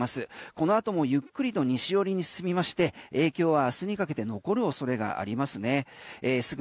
このあともゆっくりと西寄りに進みまして今日明日にかけて影響が残る恐れがありますね。